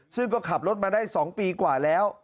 ซึ่งก็ขับรถมาได้๒ปีกว่าแล้ว